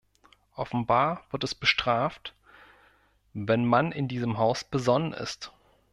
Offenbar wird es bestraft, wenn man in diesem Haus besonnen ist.